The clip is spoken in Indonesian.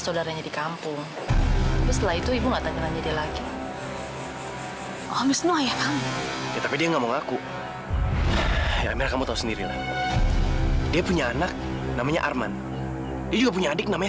sampai jumpa di video selanjutnya